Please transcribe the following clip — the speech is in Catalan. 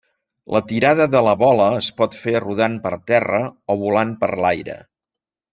La tirada de la bola es pot fer rodant per terra o volant per l'aire.